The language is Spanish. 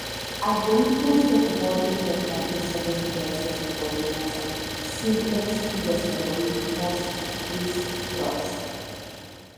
Algoritmos de pivote importantes son los diversos algoritmos simplex y los algoritmos criss-cross.